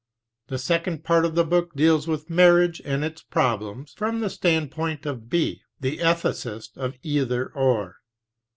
The second part of the book deals with marriage and its problems from the stand point of B, the ethicist of Either — Or.